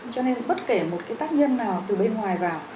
cho nên bất kể một cái tác nhân nào từ bên ngoài vào